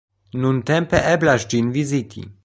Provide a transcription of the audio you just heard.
Nuntempe eblas ĝin viziti.